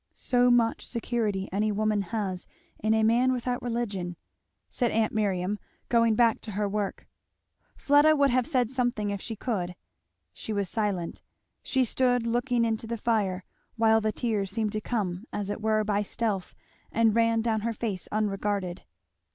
"So much security any woman has in a man without religion!" said aunt Miriam, going back to her work. Fleda would have said something if she could; she was silent; she stood looking into the fire while the tears seemed to come as it were by stealth and ran down her face unregarded.